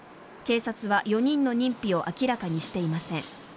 警察は４人の認否を明らかにしていません。